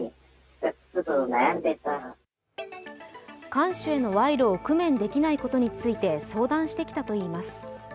看守への賄賂を工面できないことについて相談してきたといいます。